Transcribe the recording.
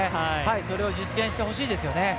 それを実現してほしいですよね。